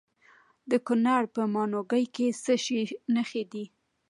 د کونړ په ماڼوګي کې د څه شي نښې دي؟